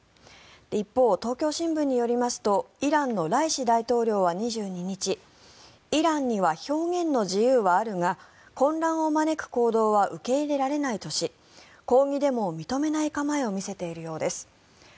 一方、東京新聞によりますとイランのライシ大統領は２２日イランには表現の自由はあるが混乱を招く行動は受け入れられないとし抗議デモを認めない構えを見せているようです。